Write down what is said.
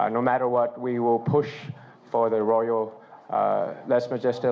หากถ้ามีคนที่โบสถ์อยู่ปราหลักโบสถ์อย่างเดียว